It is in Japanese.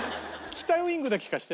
『北ウイング』だけ聴かせて。